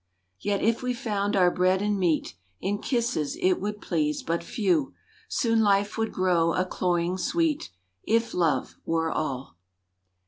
Yet, if we found our bread and meat In kisses it would please but few, Soon life would grow a cloying sweet, If love were all.